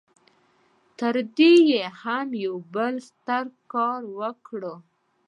خو تر دې يې هم يو بل ستر کار وکړ.